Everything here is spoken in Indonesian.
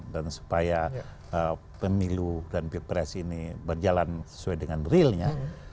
supaya pemilu dan pilpres ini berjalan sesuai dengan realnya